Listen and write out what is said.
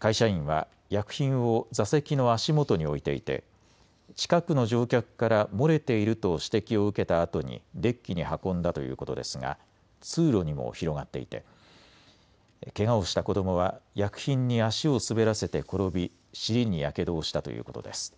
会社員は薬品を座席の足元に置いていて近くの乗客から漏れていると指摘を受けたあとにデッキに運んだということですが通路にも広がっていてけがをした子どもは薬品に足を滑らせて転び尻にやけどをしたということです。